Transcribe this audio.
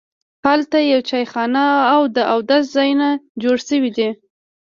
هلته یوه چایخانه او د اودس ځایونه جوړ شوي دي.